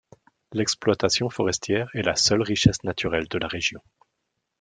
L'exploitation forestière est la seule richesse naturelle de la région.